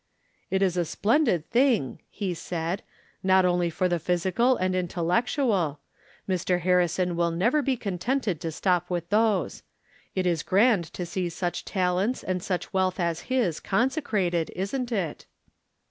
"It is a splendid thing," he said, "not only for the physical and intellectual. Mr. Harrison will never be contented to stop with those. It is 144 From Different Standpoints. grand to see such talents and such wealth as his consecrated, isn't it?